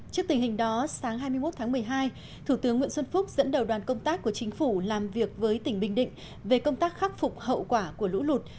trước tình hình đó sáng hai mươi một tháng một mươi hai thủ tướng nguyễn xuân phúc dẫn đầu đoàn công tác của chính phủ làm việc với tỉnh bình định về công tác khắc phục hậu quả của lũ lụt